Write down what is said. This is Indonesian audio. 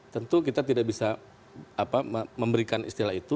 tentu kita tidak bisa memberikan istilah itu